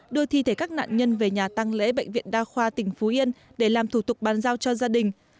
đưa thi thể các nạn nhân về nhà tăng lễ bệnh viện đa khoa tỉnh phú yên để làm thủ tục bàn giao cho gia đình